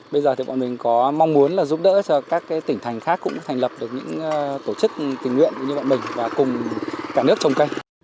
bây giờ thì bọn mình có mong muốn là giúp đỡ cho các tỉnh thành khác cũng thành lập được những tổ chức tình nguyện như bọn mình và cùng cả nước trồng cây